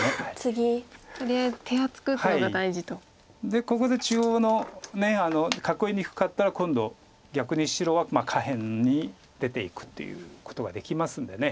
でここで中央の囲いにくかったら今度逆に白は下辺に出ていくっていうことができますんで。